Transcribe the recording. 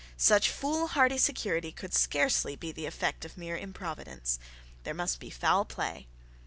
Such foolhardy security could scarcely be the effect of mere improvidence. There must be foul play.